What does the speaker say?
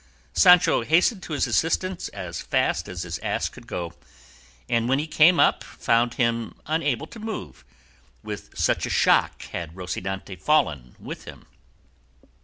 Sancho hastened to his assistance as fast as his ass could go, and when he came up found him unable to move, with such a shock had Rocinante fallen with him.